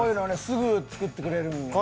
すぐ作ってくれるんよね。